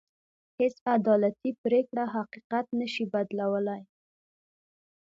هېڅ عدالتي پرېکړه حقيقت نه شي بدلولی.